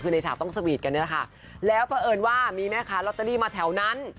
คือในฉากต้องสวีทกันนี่แหละค่ะแล้วเพราะเอิญว่ามีแม่ค้าลอตเตอรี่มาแถวนั้น